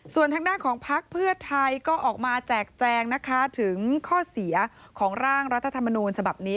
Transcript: ส่วนทางด้านของพักเพื่อไทยก็ออกมาแจกแจงนะคะถึงข้อเสียของร่างรัฐธรรมนูญฉบับนี้